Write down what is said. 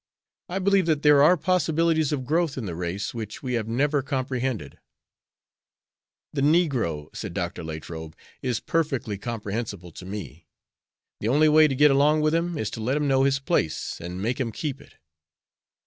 I believe that there are possibilities of growth in the race which we have never comprehended." "The negro," said Dr. Latrobe, "is perfectly comprehensible to me. The only way to get along with him is to let him know his place, and make him keep it."